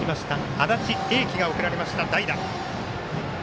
安達英輝が送られました、代打。